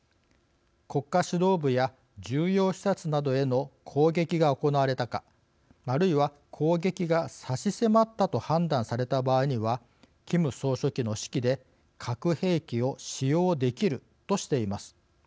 国家指導部や重要施設などへの攻撃が行われたかあるいは攻撃が差し迫ったと判断された場合にはキム総書記の指揮で核兵器を使用できるとしています。